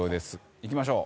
いきましょう。